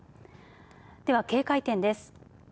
では、警戒点です。